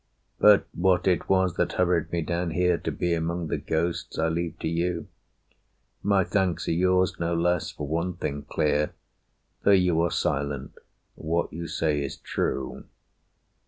"But what it was that hurried me down here To be among the ghosts, I leave to you. My thanks are yours, no less, for one thing clear: Though you are silent, what you say is true.